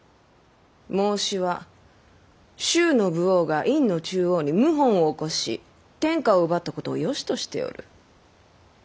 孟子は周の武王が殷の紂王に謀反を起こし天下を奪ったことをよしとしておる。